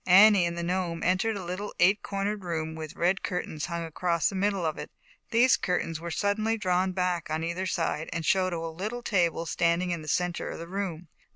Annie and the Gnome entered a little eight cornered room, with red curtains hung across the middle of it. These cur tains were suddenly drawn back on either side and showed a little table standing in the center of the room.